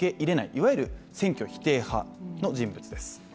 いわゆる選挙否定派の人物です。